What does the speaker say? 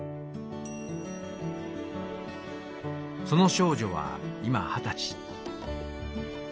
「その少女は今二十歳。